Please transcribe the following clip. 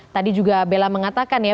tadi juga bella mengatakan ya